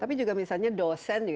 tapi juga misalnya dosen ya